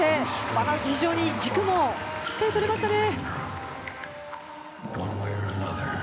バランス、非常に軸もしっかりとれましたね。